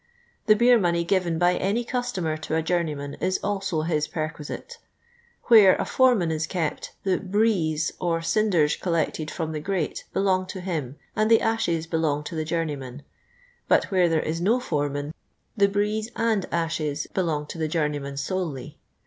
Tlie beer money given by any cusUmier to a journey man is als^) his {icrquisite. Where a foreman is kept, the '• brieze," or cinders collected from the grate, belong to him, and the ashes belong to the journeyman; but where there is no foreman, the brieze and ashes belong to the joameyinan solely.